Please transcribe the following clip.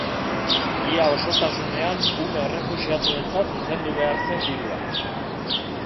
Ia osotasunean ume errefuxiatuentzat zuzendu behar zen dirua.